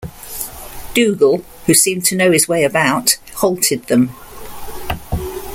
Dougal, who seemed to know his way about, halted them.